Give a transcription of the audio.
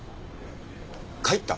帰った！？